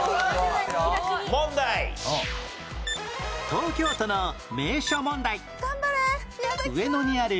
東京都の名所問題